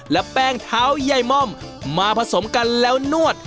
และแป้งเท้ายายม่อมมาผสมกันแล้วนวด